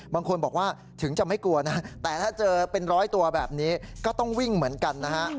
บางคนบอกว่าถึงจะไม่กลัวนะแต่ถ้าเจอเป็นร้อยตัวแบบนี้ก็ต้องวิ่งเหมือนกันนะฮะ